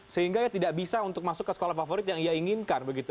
sehingga tidak bisa untuk masuk ke sekolah favorit yang ia inginkan begitu